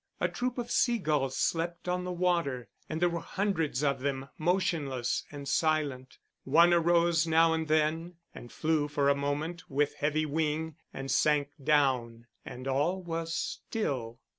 A troop of seagulls slept on the water; and there were hundreds of them, motionless and silent; one arose now and then, and flew for a moment with heavy wing, and sank down, and all was still.